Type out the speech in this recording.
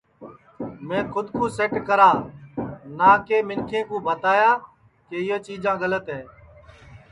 میں کھود کُو سیٹ کرا نہ کہ منکھیں کُو بھتایا کہ یہ چیجا گلت ہے